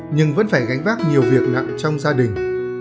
nhưng vẫn phải gánh vác nhiều việc nặng trong gia đình